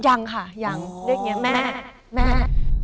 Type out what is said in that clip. ยังค่ะยังเรียกเนี่ยแม่แม่